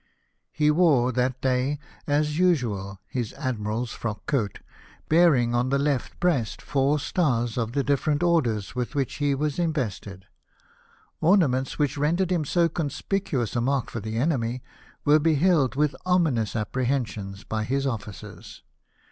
'He wore that day, as usual, his Admiral's frock coat, bearing on the left breast four stars of the different orders with which he was invested. Orna ments which rendered him so conspicuous a mark for the enemy, were beheld with ominous apprehensions 310 LIFE OF NELSON. by his officers.